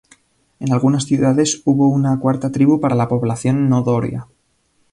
En algunas ciudades hubo una cuarta tribu para la población no doria.